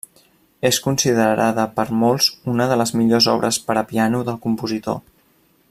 És considerada per molts una de les millors obres per a piano del compositor.